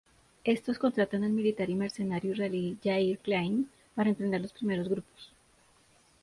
Estos contratan al militar y mercenario israelí Yair Klein para entrenar los primeros grupos.